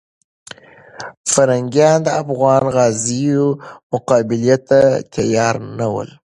پرنګیان د افغان غازیو مقابلې ته تیار نه ول.